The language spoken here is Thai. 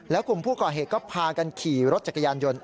แล้วกลุ่มผู้ก่อเหตุก็พากันขี่รถจักรยานยนต์